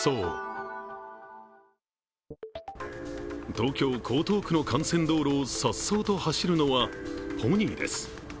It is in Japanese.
東京・江東区の幹線道路をさっそうと走るのはポニーです。